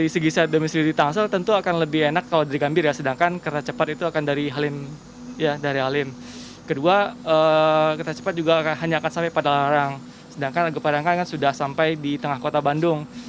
sedangkan argo parahiangan sudah sampai di tengah kota bandung